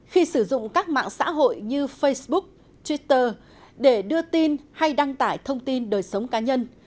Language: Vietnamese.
khi sử dụng các mạng xã hội như facebook twitter để đưa tin hay đăng tải thông tin đời sống cá nhân